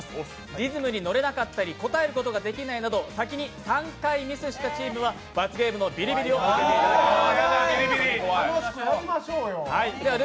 リズムに乗れなかったり答えることができないなど先に３回ミスしたチームは罰ゲームのビリビリを受けていただきます。